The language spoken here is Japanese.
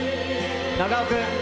長尾君。